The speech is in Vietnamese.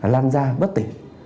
làn ra bất tỉnh